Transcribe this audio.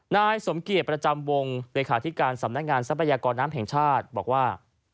นายสมเกียจประจำวงเลขาธิการสำนักงานทรัพยากรน้ำแห่งชาติบอกว่า